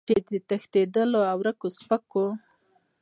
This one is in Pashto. چې د تښتېدلو او ورکو سپکو